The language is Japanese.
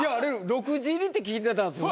６時入りって聞いてたんです